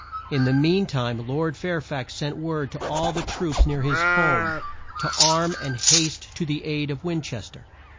In the mean time Lord Fair fax sent word to all the troops near his home to arm and haste to the aid of Win ches ter.